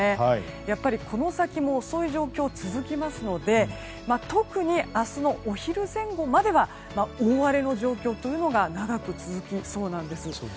やっぱり、この先も遅い状況が続きますので特に明日のお昼前後までは大荒れの状況というのが長く続きそうなんです。